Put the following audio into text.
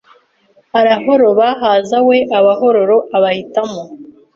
Arahoroba haza weAbahororo abahitamo